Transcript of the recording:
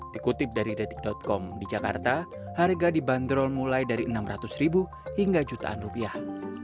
dikutip dari detik com di jakarta harga dibanderol mulai dari enam ratus ribu hingga jutaan rupiah